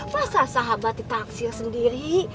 masa sahabat ditaksir sendiri